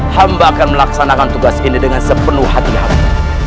hamba akan melaksanakan tugas ini dengan sepenuh hati hati